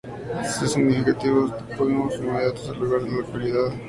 Son significativos los topónimos inmediatos al lugar de la localidad, como Murias y Paredes.